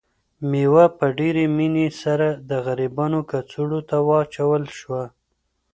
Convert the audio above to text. مېوه په ډېرې مینې سره د غریبانو کڅوړو ته واچول شوه.